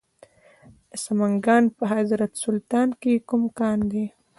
د سمنګان په حضرت سلطان کې کوم کان دی؟